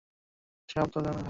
কিন্তু, সব তোর কারণে হয়েছে।